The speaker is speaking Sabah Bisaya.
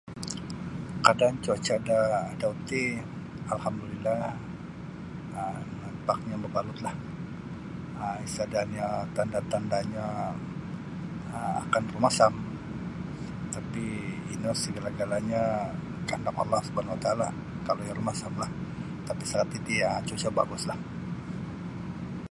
Kaadaan cuaca da adau ti alhamdulillah um nampaknyo mabalutlah um isada nio tanda-tandanyo um akan rumasam tapi ino segala-galanyo kahandak Allah subhanawataala kalau iyo rumasamlah tapi setakat titi cuaca baguslah.